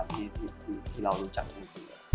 ที่เรารู้จักอีกแล้ว